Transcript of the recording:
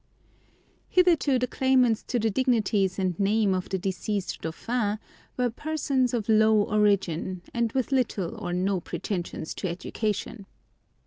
Hitherto the claimants to the dignities and name of the deceased Dauphin were persons of low origin, and with little or no pretensions to education.